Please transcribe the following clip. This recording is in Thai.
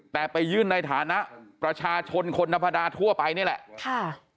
แต่ไปยื่นในฐานะประชาชนคนธรรมดาทั่วไปนี่แหละค่ะ